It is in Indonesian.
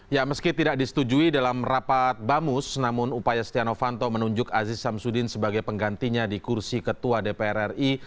ya meski tidak disetujui dalam rapat bamus namun upaya setia novanto menunjuk aziz samsudin sebagai penggantinya di kursi ketua dpr ri